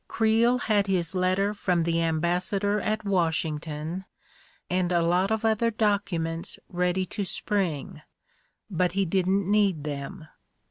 Creel had his letter from the ambas sador at Washington and a lot of other documents ready to spring, but he didn't need them.